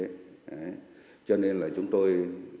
đấy cho nên là chúng tôi